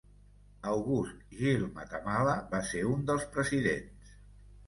August Gil Matamala va ser un dels presidents.